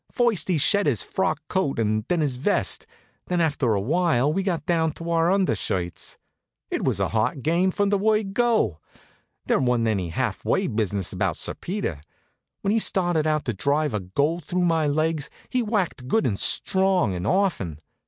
First he shed his frock coat, then his vest, and after a while we got down to our undershirts. It was a hot game from the word go. There wa'n't any half way business about Sir Peter. When he started out to drive a goal through my legs he whacked good and strong and often.